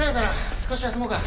少し休もうか。